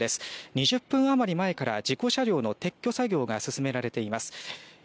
２０分余り前から事故車両の撤去作業が進められています。